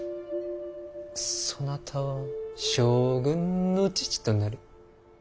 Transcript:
「そなたは将軍の父となる！」と。